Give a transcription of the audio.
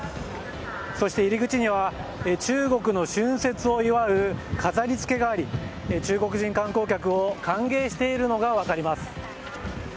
そして入口には中国の春節を祝う飾り付けがあり中国人観光客を歓迎しているのが分かります。